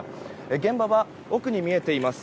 現場は奥に見えています